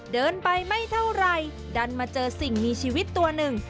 เดินไปไม่เท่าไหร่ดันมาเจอสิ่งมีชีวิตตัวหนึ่ง